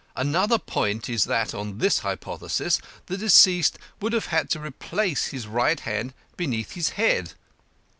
Another point is that on this hypothesis, the deceased would have had to replace his right hand beneath his head.